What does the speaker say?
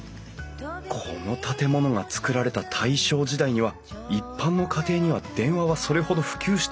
この建物が造られた大正時代には一般の家庭には電話はそれほど普及していなかったはず。